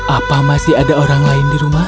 apa masih ada orang lain di rumah